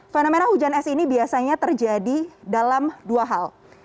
fenomena hujan es ini biasanya terjadi dalam dua hal